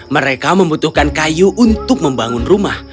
mereka membutuhkan kayu untuk membangun rumah